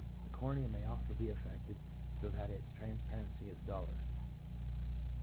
The cornea may also be affected so that its trans parency is duller.